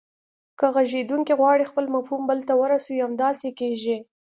که غږیدونکی غواړي خپل مفهوم بل ته ورسوي همداسې کیږي